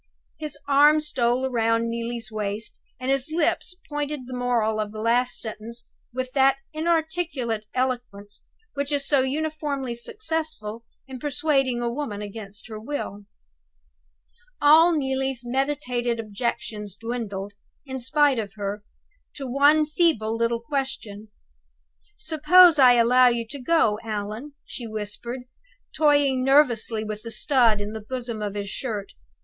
His arm stole round Neelie's waist, and his lips pointed the moral of the last sentence with that inarticulate eloquence which is so uniformly successful in persuading a woman against her will. All Neelie's meditated objections dwindled, in spite of her, to one feeble little question. "Suppose I allow you to go, Allan?" she whispered, toying nervously with the stud in the bosom of his shirt.